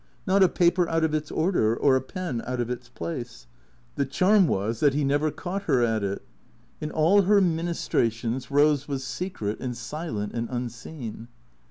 Not a paper out of its order, or a pen out of its place. The charm was that he never caught her at it. In all her ministrations Rose was secret and silent and unseen.